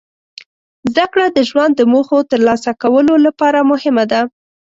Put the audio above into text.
زدهکړه د ژوند د موخو ترلاسه کولو لپاره مهمه ده.